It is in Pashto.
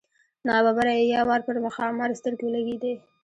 نا ببره یې یو وار پر ښامار سترګې ولګېدې.